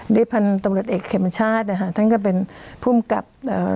ดิพันธุ์ตรวจเอกเขมชาติอ่ะฮะทั้งก็เป็นภูมิกับเอ่อ